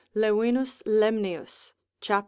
Levinus Lemnius cap.